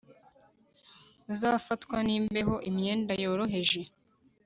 Uzafatwa nimbeho imyenda yoroheje